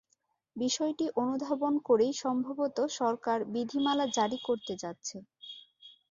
বিষয়টি অনুধাবন করেই সম্ভবত সরকার বিধিমালা জারি করতে যাচ্ছে।